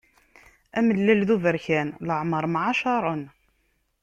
Amellal d uberkan leɛmeṛ mɛacaṛen.